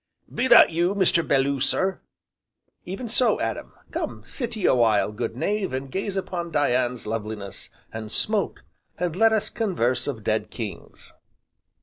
'" "Be that you, Mr. Belloo, sir?" "Even so, Adam. Come sit ye a while, good knave, and gaze upon Dian's loveliness, and smoke, and let us converse of dead kings."